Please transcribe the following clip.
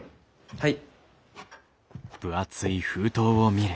はい。